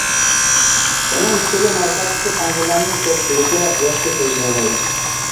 ئۇنىڭ ئۈستىگە مال ساتقۇچى خەنزۇلارنىڭ كۆپچىلىكى رۇسچە سۆزلىشەلەيدۇ.